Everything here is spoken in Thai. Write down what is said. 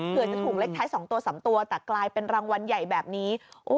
เพื่อจะถูกเลขท้าย๒ตัว๓ตัวแต่กลายเป็นรางวัลใหญ่แบบนี้